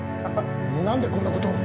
何でこんな事を？